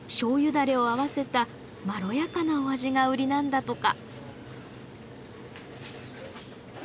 だれを合わせたまろやかなお味が売りなんだとか。